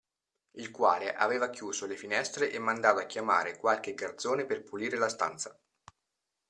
Il quale aveva chiuso le finestre e mandato a chiamare qualche garzone per pulire la stanza.